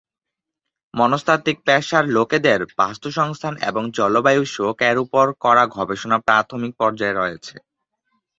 মনস্তাত্ত্বিক পেশার লোকেদের বাস্তুসংস্থান এবং জলবায়ু শোক এর উপর করা গবেষণা প্রাথমিক পর্যায়ে রয়েছে।